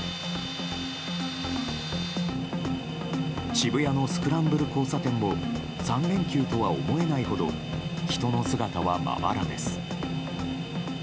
渋谷のスクランブル交差点も３連休とは思えないほど人の姿はまばらです。